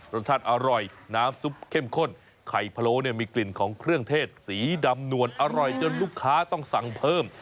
รสชาติอร่อยน้ำซุปเข้มข้นไข่พะโล้เนี่ยมีกลิ่นของเครื่องเทศสีดำนวลอร่อยจนลูกค้าต้องสั่งเพิ่ม